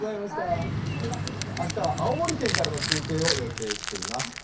明日は青森県からの中継を予定しています。